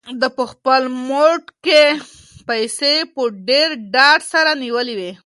ده په خپل موټ کې پیسې په ډېر ډاډ سره نیولې وې.